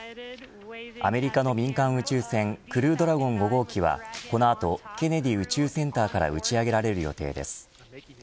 アメリカの民間宇宙船クルードラゴン５号機はこの後ケネディ宇宙センターから打ち上げられる予定です。